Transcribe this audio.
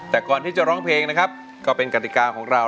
แต่ก่อนที่จะร้องเพลงนะครับก็เป็นกติกาของเรา